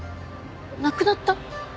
亡くなった？